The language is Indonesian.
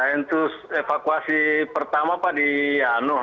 untuk evakuasi pertama pak di yanuh